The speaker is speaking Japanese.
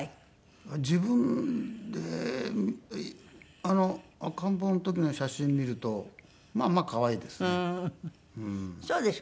自分で赤ん坊の時の写真見るとまあまあ可愛いですね。